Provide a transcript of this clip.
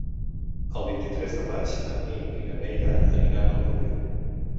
El vint-i-tres de maig en Nil i na Neida aniran a Alcover.